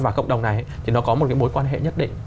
và cộng đồng này thì nó có một cái mối quan hệ nhất định